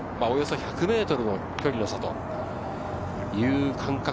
およそ１００ｍの距離の差です。